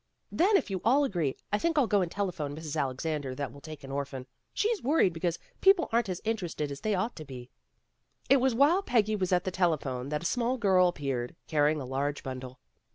Then if you all agree, I think I'll go and telephone Mrs. Alexander that we'll take an orphan. She's worried because people aren't as interested as they ought to be." It was while Peggy was at the telephone that a small girl appeared, carrying a large bundle.